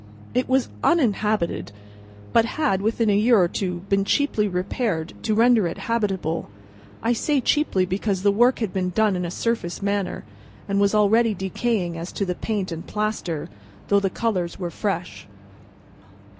It was uninhabited, but had, within a year or two, been cheaply repaired to render it habitable; I say cheaply, because the work had been done in a surface manner, and was already decaying as to the paint and plaster, though the colours were fresh.